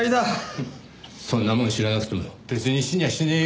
フンッそんなもん知らなくても別に死にゃあしねえよ。